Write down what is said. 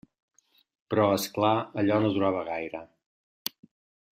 Però, és clar, allò no durava gaire.